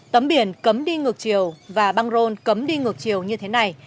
tấm biển cấm đi ngược chiều và băng rôn cấm đi ngược chiều như thế này